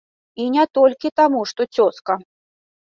І не толькі таму, што цёзка.